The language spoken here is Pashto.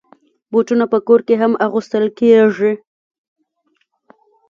بوټونه په کور کې هم اغوستل کېږي.